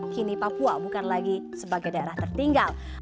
kini papua bukan lagi sebagai daerah tertinggal